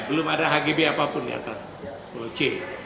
belum ada hgb apapun di atas pulau c